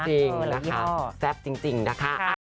จริงเอาละยี่ห้อแซวจริงจริงนะคะ